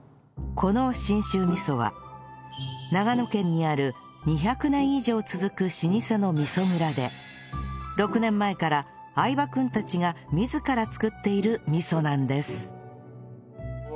この信州味噌は長野県にある２００年以上続く老舗の味噌蔵で６年前から相葉君たちが自ら作っている味噌なんです